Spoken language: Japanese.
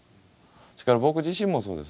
それから僕自身もそうです。